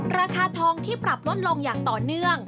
ราคาทองที่ปรับลดลงอย่างต่อเนื่อง